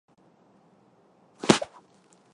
角色介绍以最后结局为准。